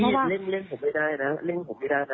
พี่เล่นเล่นผมไม่ได้นะเล่นผมไม่ได้นะ